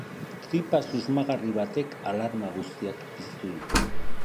Tripa susmagarri batek alarma guztiak piztu ditu.